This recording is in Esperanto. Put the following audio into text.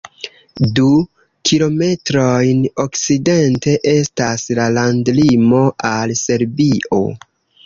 Du kilometrojn okcidente estas la landlimo al Serbio.